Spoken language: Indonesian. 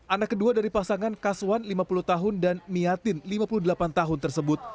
anak kedua dari pasangan kaswan lima puluh tahun dan miatin lima puluh delapan tahun tersebut